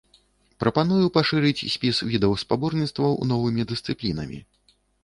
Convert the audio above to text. Прапаную пашырыць спіс відаў спаборніцтваў новымі дысцыплінамі.